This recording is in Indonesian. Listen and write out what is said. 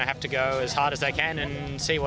saya belum pernah menerima itu sebelumnya